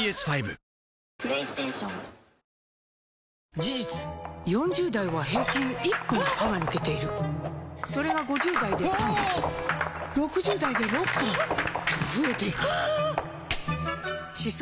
事実４０代は平均１本歯が抜けているそれが５０代で３本６０代で６本と増えていく歯槽